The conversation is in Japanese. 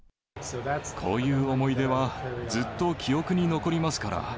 こういう思い出は、ずっと記憶に残りますから。